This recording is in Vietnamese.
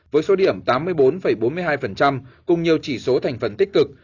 với số điểm tám mươi bốn bốn mươi hai cùng nhiều chỉ số thành phần tích cực